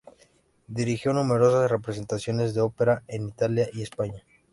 Dirigió numerosas representaciones de ópera en Italia y España.